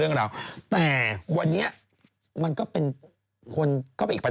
ซึ่งเมื่อวันอยู่บ้านพักแต่ก็ไม่เจอ